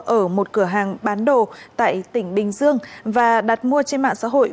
ở một cửa hàng bán đồ tại tỉnh bình dương và đặt mua trên mạng xã hội